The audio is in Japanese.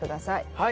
はい。